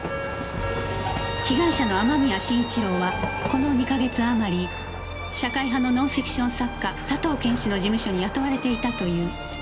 被害者の雨宮慎一郎はこの２か月あまり社会派のノンフィクション作家佐藤謙氏の事務所に雇われていたという